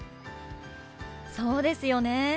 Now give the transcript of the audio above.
そうですよね。